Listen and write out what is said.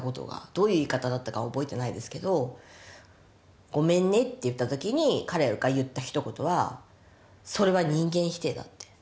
どういう言い方だったか覚えてないですけど「ごめんね」って言った時に彼が言ったひと言は「それは人間否定だ」って。